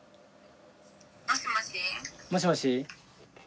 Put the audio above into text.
もしもし。